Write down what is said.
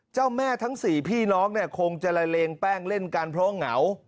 เจ้าแม่ทั้ง๔พี่น้องเนี่ยคงจะละเลงแป้งเล่นกันเพราะว่าเหงา